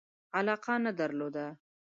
علاقه نه درلوده.